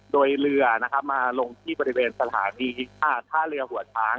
โดยเรือนะครับมาลงที่บริเวณสถานีท่าเรือหัวช้าง